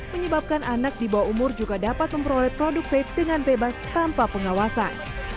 menyebabkan anak di bawah umur juga dapat memperoleh produk vape dengan bebas tanpa pengawasan